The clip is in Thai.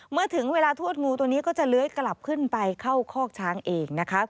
เมื่อถึงเวลาทวดงูตัวนี้ก็จะเลื้อยกลับขึ้นไปเข้าคอกช้างเองนะคะ